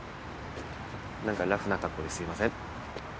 なんかラフな格好ですいません。